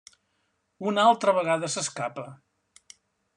Una altra vegada s'escapa.